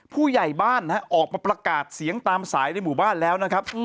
ผู้ใหญ่บ้านออกมาประกาศเสียงตามสายในหมู่บ้านแล้วนะครับ